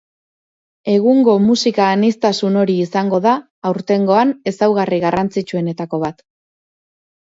Egungo musika aniztasun hori izango da aurtengoan ezaugarri garrantzitsuenetako bat.